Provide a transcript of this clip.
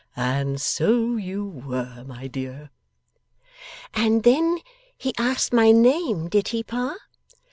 And so you were, my dear.' 'And then he asked my name, did he, pa?